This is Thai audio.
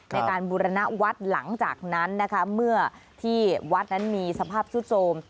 ในการบูรณวัฒน์หลังจากนั้นนะคะเมื่อที่วัดนั้นมีสภาพซุดโทรม